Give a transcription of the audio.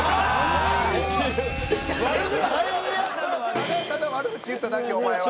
ただただ悪口言っただけお前は。